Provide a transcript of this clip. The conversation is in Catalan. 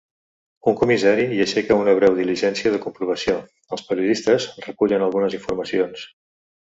Un comissari hi aixeca una breu diligència de comprovació, els periodistes recullen algunes informacions.